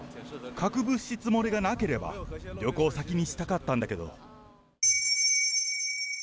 核物質漏れがなければ旅行先にしたかったんだけど。